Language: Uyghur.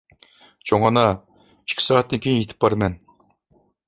چوڭ ئانا، ئىككى سائەتتىن كېيىن يېتىپ بارىمەن.